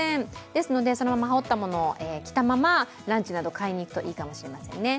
ですのでそのまま羽織ったものを着たままランチなど買いに行くといいかもしませんね。